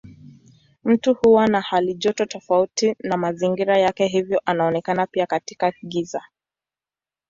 Mtu huwa na halijoto tofauti na mazingira yake hivyo anaonekana pia katika giza.